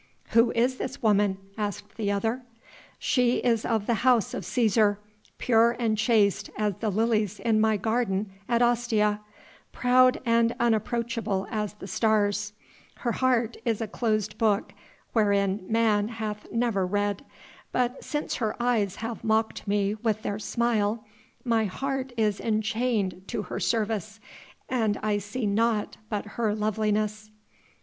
"Who is this woman?" asked the other. "She is of the House of Cæsar, pure and chaste as the lilies in my garden at Ostia, proud and unapproachable as the stars ... her heart is a closed book wherein man hath never read ... but since her eyes have mocked me with their smile, my heart is enchained to her service and I see naught but her loveliness."